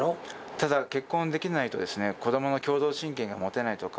ただ結婚できないとですね子どもの共同親権が持てないとか。